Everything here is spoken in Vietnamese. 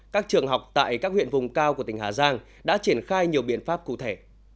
các trường học tại các huyện vùng cao của tỉnh hà giang đã triển khai nhiều biện pháp cụ thể